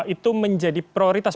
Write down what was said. itu menjadi prioritas